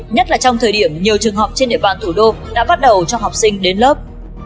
nhất là trong thời điểm nhiều trường học trên địa bàn thủ đô đã bắt đầu cho học sinh đến lớp